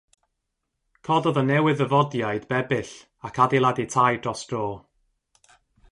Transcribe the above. Cododd y newydd-ddyfodiaid bebyll ac adeiladu tai dros dro.